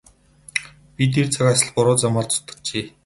Би тэр цагаас л буруу замаар зүтгэжээ.